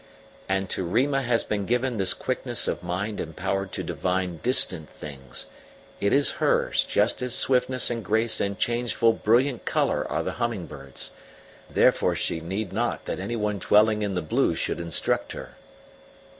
And to Rima has been given this quickness of mind and power to divine distant things; it is hers, just as swiftness and grace and changeful, brilliant colour are the hummingbird's; therefore she need not that anyone dwelling in the blue should instruct her."